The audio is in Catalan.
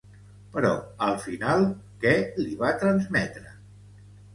Però al final, què li va transmetre?